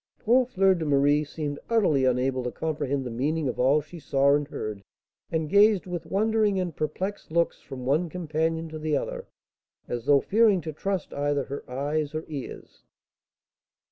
Poor Fleur de Marie seemed utterly unable to comprehend the meaning of all she saw and heard, and gazed with wondering and perplexed looks from one companion to the other, as though fearing to trust either her eyes or ears.